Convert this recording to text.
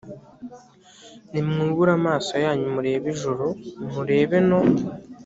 nimwubure amaso yanyu murebe ijuru murebe no